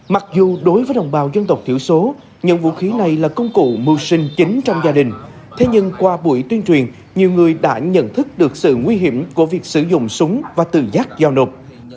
mặc dù đối với đồng bào dân tộc thiểu số những vũ khí này là công cụ mưu sinh chính trong gia đình thế nhưng qua buổi tuyên truyền nhiều người đã nhận thức được sự nguy hiểm của việc sử dụng súng và tự giác giao nộp